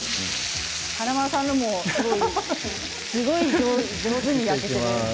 華丸さんのもすごく上手に焼けている。